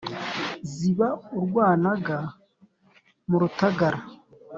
ziba urwanaga mu rutagara